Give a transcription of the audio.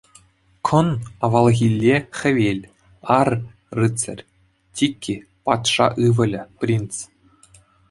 Кӑн — авалхилле хӗвел, ар — рыцарь, тикки — патша ывӑлӗ, принц.